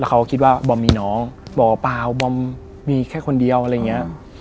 แล้วเขาคิดว่าบอมมีน้องบอกว่าเปล่าบอมมีแค่คนเดียวอะไรอย่างเงี้ย